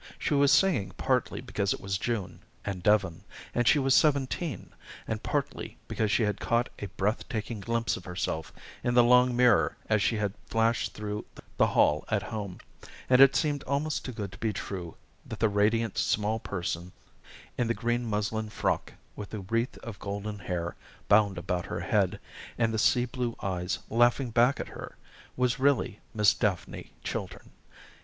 She was singing partly because it was June, and Devon, and she was seventeen, and partly because she had caught a breath taking glimpse of herself in the long mirror as she had flashed through the hall at home, and it seemed almost too good to be true that the radiant small person in the green muslin frock with the wreath of golden hair bound about her head, and the sea blue eyes laughing back at her, was really Miss Daphne Chiltern.